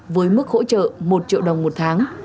với mức hỗ trợ một triệu đồng một tháng